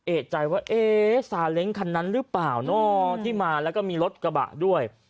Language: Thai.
เอกใจว่าเอ๊ซาเล้งคันนั้นหรือเปล่าเนอะที่มาแล้วก็มีรถกระบะด้วย